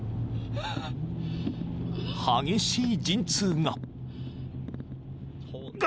［激しい陣痛が］